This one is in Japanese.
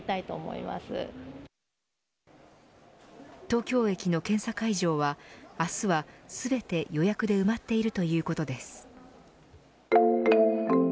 東京駅の検査会場は明日はすべて予約で埋まっているということです。